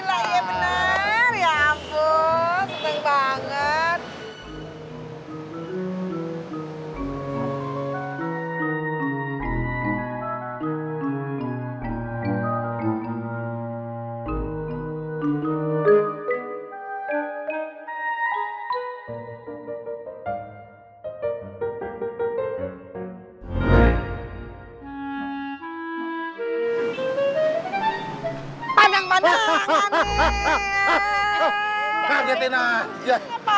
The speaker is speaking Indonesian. alhamdulillah iya benar ya ampun senang banget